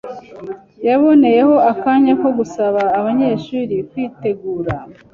Yaboneyeho akanya ko gusaba abanyeshuri kwitegura